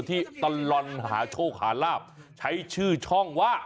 ที่ตลอดหาโชคหาลาบใช้ชื่อช่องว่า